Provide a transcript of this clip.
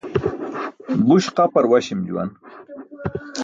Buś qapar waśim juwan.